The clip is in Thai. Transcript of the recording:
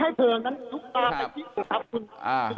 ให้เทอมแล้วนั้น